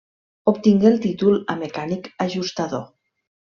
Obtingué el títol a mecànic ajustador.